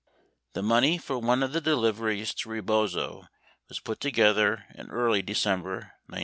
The money for one of the deliveries to Rebozo was put together in early December 1968.